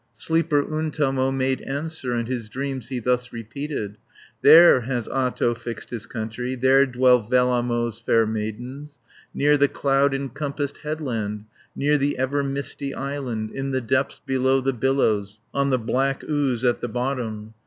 20 Sleeper Untamo made answer, And his dreams he thus repeated: "There has Ahto fixed his country, There dwell Vellamo's fair maidens, Near the cloud encompassed headland, Near the ever misty island, In the depths below the billows, On the black ooze at the bottom.